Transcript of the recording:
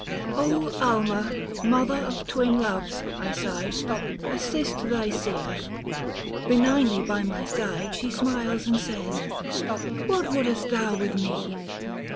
alma Mother of twin Loves, I sighed, Assist thy seer. Benignly by my side She smiles and says, " What wouldest thou with me